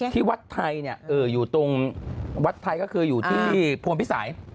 ที่วัดไทยเนี่ยคืออยู่ที่พวงพิสัย